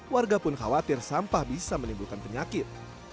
warga pun khawatir sampah bisa menimbulkan penyakit